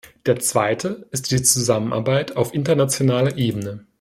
Der zweite ist die Zusammenarbeit auf internationaler Ebene.